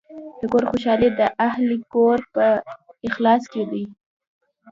د کور خوشحالي د اهلِ کور په اخلاص کې ده.